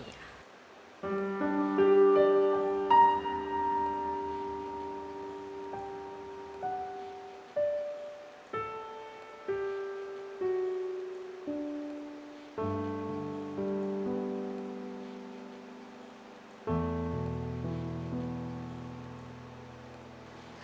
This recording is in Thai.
อย่างน้อย